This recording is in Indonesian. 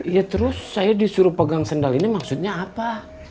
ya terus saya disuruh pegang sandal ini maksudnya apa